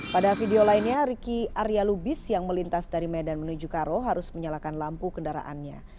pada video lainnya riki arya lubis yang melintas dari medan menuju karo harus menyalakan lampu kendaraannya